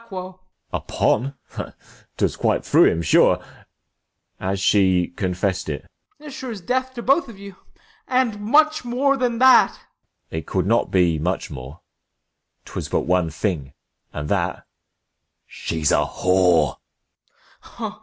Ah. As sure as death to both of you, 105 And much more than that. De F. It could not be much more ; 'Twas but one thing, and that — she's a whore.